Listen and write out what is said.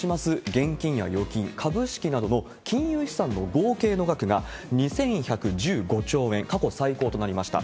現金や預金、株式などの金融資産の合計の額が２１１５兆円、過去最高となりました。